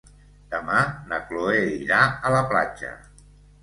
Demà na Chloé irà a la platja.